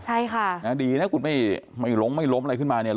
ใช่ค่ะนะดีนะคุณไม่ไม่ล้มไม่ล้มอะไรขึ้นมาเนี่ย